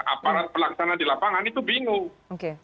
aparat pelaksana di lapangan itu bingung